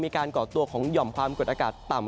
ก่อตัวของหย่อมความกดอากาศต่ำ